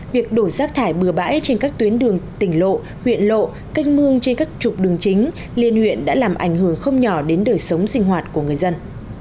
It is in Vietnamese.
việc đổ rác thải bừa bãi trên các tuyến đường tỉnh lộ huyện lộ canh mương trên các trục đường chính liên huyện đã làm ảnh hưởng không nhỏ đến đời sống sinh hoạt của người dân